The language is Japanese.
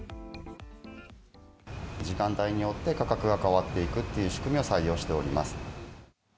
時間帯によって価格が変わっていくっていう仕組みを採用しております。